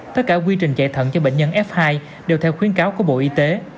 tất cả quy trình chạy thận cho bệnh nhân f hai đều theo khuyến cáo của bộ y tế